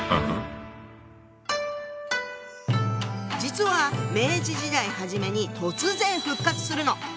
実は明治時代はじめに突然復活するの！